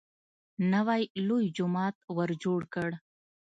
نوی لوی جومات ورجوړ کړ.